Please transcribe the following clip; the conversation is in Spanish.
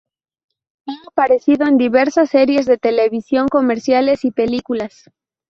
Ha aparecido en diversas series de televisión, comerciales y películas.